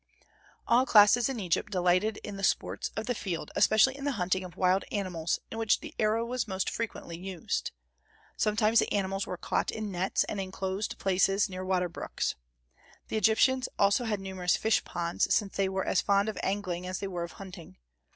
All classes in Egypt delighted in the sports of the field, especially in the hunting of wild animals, in which the arrow was most frequently used. Sometimes the animals were caught in nets, in enclosed places near water brooks. The Egyptians also had numerous fish ponds, since they were as fond of angling as they were of hunting.